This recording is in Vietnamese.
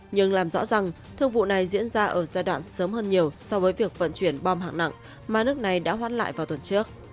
nhưng làm rõ rằng thương vụ này diễn ra ở giai đoạn sớm hơn nhiều so với việc vận chuyển bom hạng nặng mà nước này đã hoán lại vào tuần trước